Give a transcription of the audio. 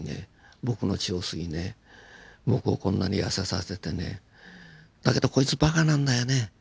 僕の血を吸いね僕をこんなに痩せさせてねだけどこいつバカなんだよね。